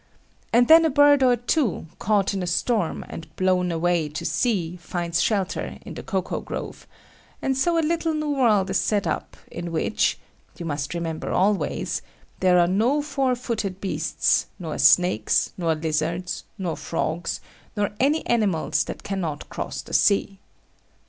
And then a bird or two, caught in a storm and blown away to sea finds shelter in the cocoa grove; and so a little new world is set up, in which (you must remember always) there are no four footed beasts, nor snakes, nor lizards, nor frogs, nor any animals that cannot cross the sea.